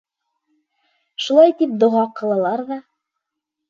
Шулай тип доға ҡылалар ҙа: